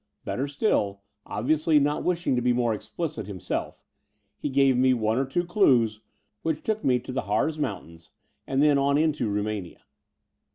Better still — obviously not wishing to be more explicit himself — he gave me one or two clues, which took me to the Harz Mountains and then on into Rtunania.